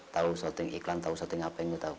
tau shorting iklan tau shorting apa yang ditau